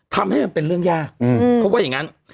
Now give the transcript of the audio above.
ทำให้มันเป็นเรื่องยากเขาว่าอย่างนั้น